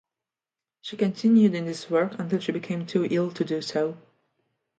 She continued in this work until she became too ill to do so.